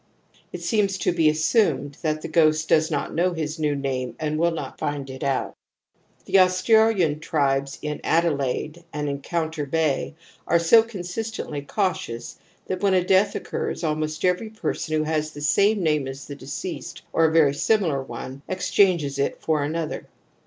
It seems to be assumed that the ghost does not know his new name and will not find it out. The Australian tribes on Adelaide and Encoimter Bay are so consistently cautious that when a death occurs almost every person who has the same name as the deceased or a very similar one, exchanges it for another.